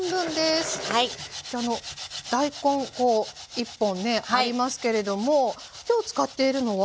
大根１本ねありますけれども今日使っているのは。